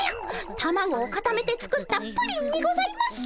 たまごをかためて作った「プリン」にございます。